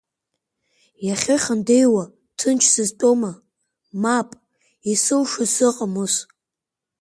Иахьыхандеиуа ҭынч сызтәома, мап, исылшо сыҟам ус!